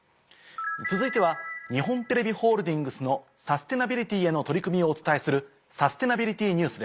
続いては日本テレビホールディングスのサステナビリティへの取り組みをお伝えする。